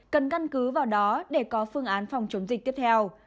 cần căn cứ vào đó để có phương án phòng chống dịch tiếp theo